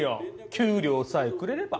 給料さえくれれば。